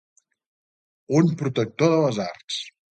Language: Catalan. Un protector de les arts.